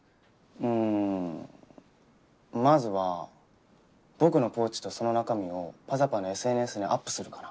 うんまずは僕のポーチとその中身を「ｐａｚａｐａ」のＳＮＳにアップするかな。